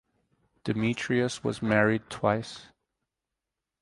Demetrius was married twice.